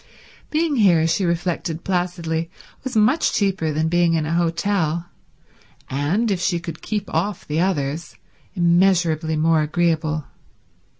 Being here, she reflected placidly, was much cheaper than being in an hotel and, if she could keep off the others, immeasurably more agreeable.